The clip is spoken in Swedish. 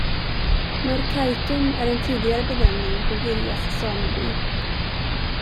Norrkaitum är en tidigare benämning på Girjas sameby.